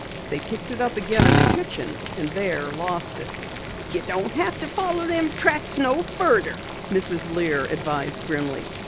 They picked it up again in the kitchen and there lost it. "You don't need to follow them tracks no further," Mrs. Lear advised grimly.